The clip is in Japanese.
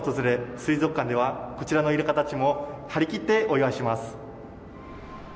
水族館ではこちらのイルカたちもはりきってお祝いします。